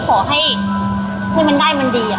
ขอให้ให้มันได้มันดีอะ